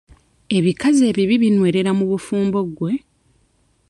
Ebikazi ebibi binywerera mu bufumbo gwe.